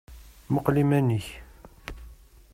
Muqel iman-ik!